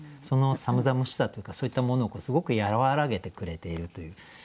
その寒々しさというかそういったものをすごく和らげてくれているという。